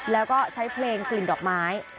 แล้วก็ใช้เพลงกลิ่นดอกไม้